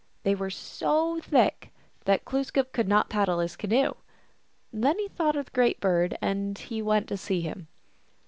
They were so thick that Glooskap could not paddle his canoe. Then he thought of the Great Bird, and went to see him.